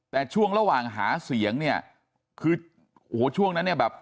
แต่ช่วงระหว่างหาเสียงเนี่ยคือโอ้โหช่วงนั้นเนี่ยแบบ